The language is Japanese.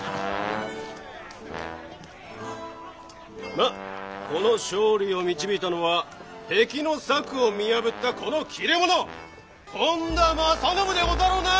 まっこの勝利を導いたのは敵の策を見破ったこの切れ者本多正信でござろうな！